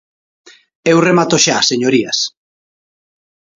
Eu remato xa, señorías.